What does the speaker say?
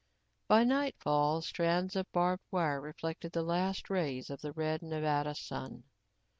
By nightfall, new strands of barbed wire reflected the last rays of the red Nevada sun.